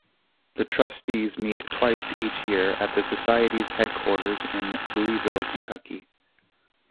The Trustees meet twice each year at the Society's Headquarters in Louisville, Kentucky.